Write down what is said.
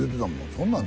そんなん